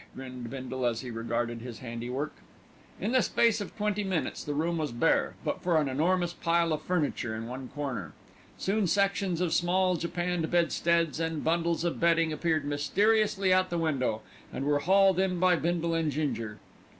grinned Bindle as he regarded his handiwork. In the space of twenty minutes the room was bare, but for an enormous pile of furniture in one corner. Soon sections of small japanned bedsteads and bundles of bedding appeared mysteriously at the window, and were hauled in by Bindle and Ginger.